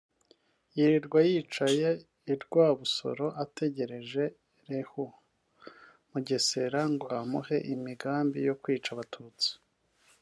yirirwa yicaye i Rwabusoro ategereje Lehu (Leon) Mugesera ngo amuhe imigambi yo kwica Abatutsi